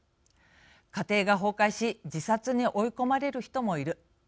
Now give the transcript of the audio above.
家庭が崩壊し自殺に追い込まれる人もいる。